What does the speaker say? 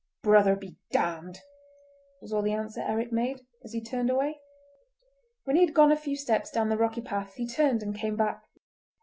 "Brother be damned!" was all the answer Eric made, as he turned away. When he had gone a few steps down the rocky path he turned and came back.